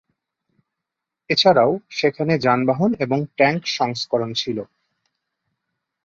এছাড়াও সেখানে যানবাহন এবং ট্যাঙ্ক সংস্করণ ছিল।